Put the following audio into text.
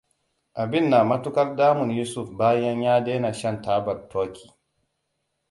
Abin na matuƙar damun Yusuf bayan ya dena shan tabar turkey.